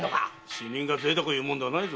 死人が贅沢言うもんではないぞ。